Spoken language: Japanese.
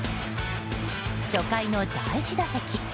初回の第１打席。